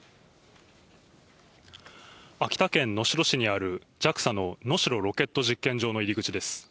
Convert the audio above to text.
秋田県能代市にあるＪＡＸＡの能代ロケット実験場の入り口です。